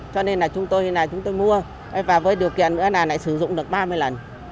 cho nên chúng tôi mua và với điều kiện sử dụng được ba mươi lần